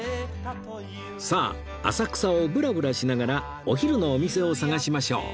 さあ浅草をぶらぶらしながらお昼のお店を探しましょう